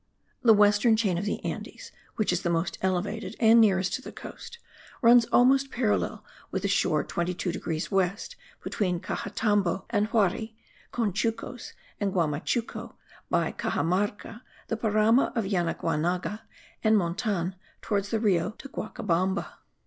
The western chain of the Andes, which is the most elevated and nearest to the coast, runs almost parallel with the shore north 22 degrees west, between Caxatambo and Huary, Conchucos and Guamachuco, by Caxamarca, the Paramo de Yanaguanga, and Montan, towards the Rio de Guancabamba.